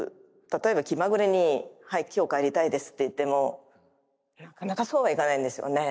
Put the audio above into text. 例えば気まぐれに「はい今日帰りたいです」って言ってもなかなかそうはいかないんですよね。